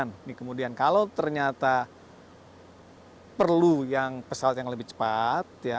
nah kemudian kalau ternyata perlu yang pesawat yang lebih cepat